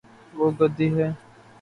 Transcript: وہ گدی ہے